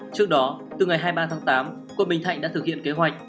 trước đó từ ngày hai mươi ba tháng tám quận bình thạnh đã thực hiện kế hoạch